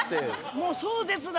もう壮絶な。